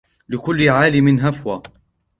لكلّ عالِم هفوة.